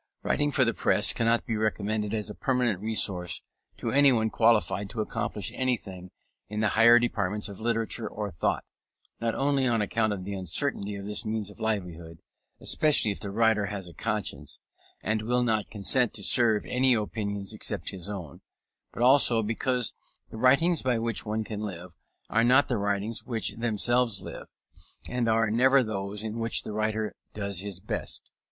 Writing for the press cannot be recommended as a permanent resource to anyone qualified to accomplish anything in the higher departments of literature or thought: not only on account of the uncertainty of this means of livelihood, especially if the writer has a conscience, and will not consent to serve any opinions except his own; but also because the writings by which one can live are not the writings which themselves live, and are never those in which the writer does his best.